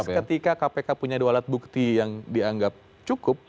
ketika kpk punya dua alat bukti yang dianggap cukup